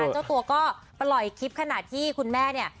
เจ้าตัวก็ปล่อยคลิปขณะที่คุณแม่เนี่ย